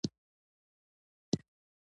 بار دروند موټر ته زیان رسوي.